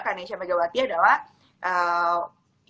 kak nesya megawati adalah